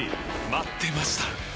待ってました！